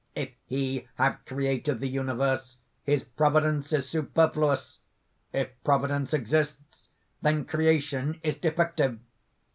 "If he have created the universe, his providence is superfluous. If Providence exists, then creation is defective.